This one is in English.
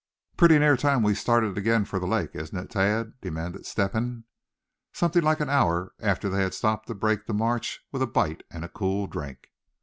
"Pretty near time we started again for the lake, isn't it, Thad?" demanded Step hen, something like an hour after they had stopped to break the march with a bite and a cool drink.